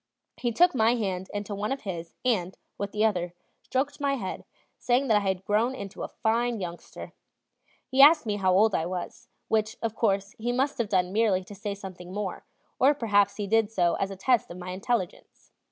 He took my hand into one of his, and, with the other, stroked my head, saying that I had grown into a fine youngster. He asked me how old I was; which, of course, he must have done merely to say something more, or perhaps he did so as a test of my intelligence.